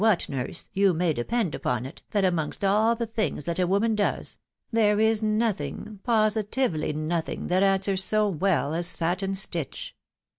what, nurse, you may depend upon it, that amongst all the things that a woman does, there is nothing, positively nothing, that answers so well as satin stitch."